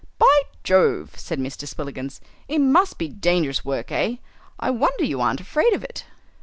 "By Jove!" said Mr. Spillikins; "it must be dangerous work eh? I wonder you aren't afraid of it."